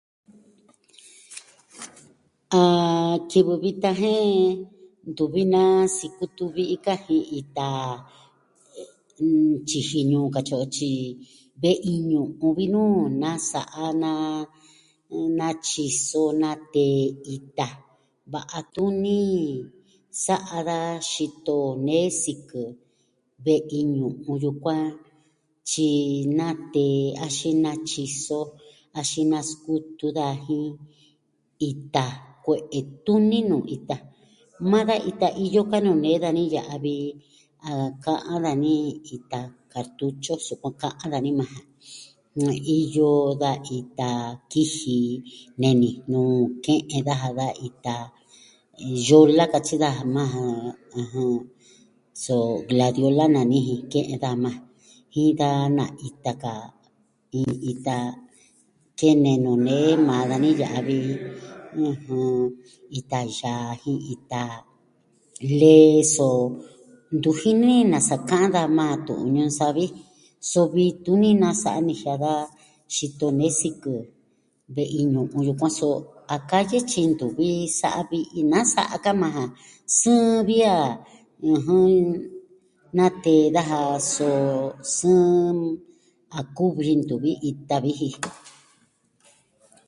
A kivɨ vitan jen ntuvi na sikutu vi'i kajin ita, tyiji ñuu katyi o, tyi ve'i ñu'un vi nuu nasa'a na natyiso, natee ita. Va'a tuni sa'a da xito nee sikɨ ve'i ñu'un yukuan. Tyi natee axin natyiso, axin naskutu daja jin ita, kue'e tuni nuu ita. Maa da ita iyo ka nuu nee dani ya'a vi a ka'an dani ita kartutyo, sukuan ka'an dani majan. Iyo da ita kiji neni nuu ke'en daja da ita yola, katyi daja majan, ɨjɨn. So gladiola nani ji, ke'en daja majan. Jin da na ita ka iin ita kene nuu nee maa dani ya'a vi, ɨjɨn, ita yaa jin ita lee, so ntu jini ni nasa ka'an daja majan tu'un ñuu savi, so vii tuni nasa a nijiaa da xito nee sikɨ ve'i ñu'un yukuan, so a kayɨ tyi ntuvi sa'a vi'i nasa ka majan. Sɨɨn vi a, ɨjɨn, natee daja so, sɨɨn a kuvi jin tuvi ita vi ji.